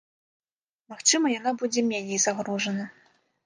Магчыма яна будзе меней загружана.